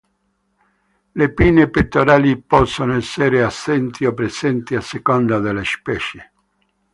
Le pinne pettorali possono essere assenti o presenti a seconda delle specie.